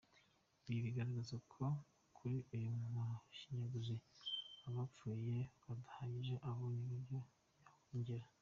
Ibi bigaragaza ko kuri uyu mushiyaguzi, abapfuye badahagije, abonye uburyo yabongera.